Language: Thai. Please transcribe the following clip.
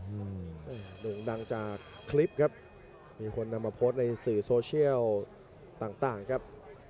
อืมโด่งดังจากคลิปครับมีคนนำมาโพสต์ในสื่อโซเชียลต่างต่างครับ